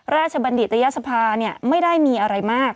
บัณฑิตยศภาไม่ได้มีอะไรมาก